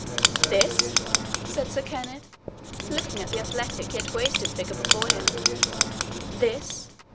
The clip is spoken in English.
"This!" said Sir Kenneth, looking at the athletic yet wasted figure before him "this!